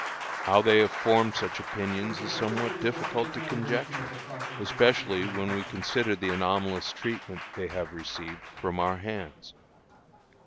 How they have formed such opinions is somewhat difficult to conjecture, especially when we consider the anomalous treatment they have received from our hands.